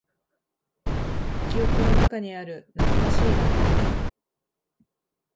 記憶の中にある懐かしい名前。